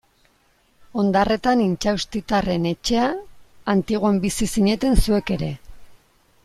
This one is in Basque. Ondarretan Intxaustitarren etxea, Antiguan bizi zineten zuek ere.